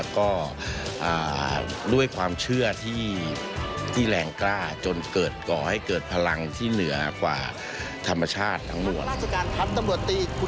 ก็ด้วยความเชื่อที่แรงกล้าจนเกิดก่อให้เกิดพลังที่เหนือกว่าธรรมชาติทั้งหมด